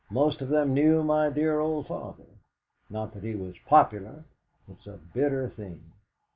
Most of them knew my dear old father not that he was popular. It's a bitter thing."